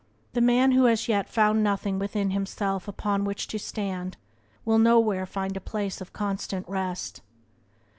The man who has yet found nothing within himself upon which to stand will nowhere find a place of constant rest.